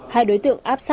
hai đối tượng áp sát